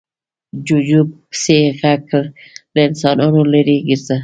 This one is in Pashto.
جوجو پسې غږ کړ، له انسانانو ليرې ګرځه.